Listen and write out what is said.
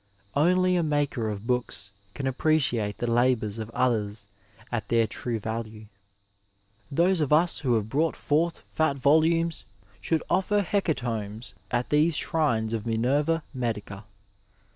Only a maker of books can appreciate the labours of others at their true value. Those of us who have brought forth fat volumes should offer hecatombs at these shrines of Minerva Medica.